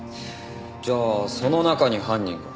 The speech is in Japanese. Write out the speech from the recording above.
じゃあその中に犯人が？